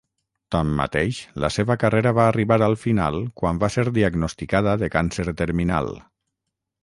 Tanmateix, la seva carrera va arribar al final quan va ser diagnosticada de càncer terminal.